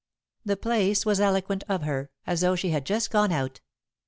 The place was eloquent of her, as though she had just gone out.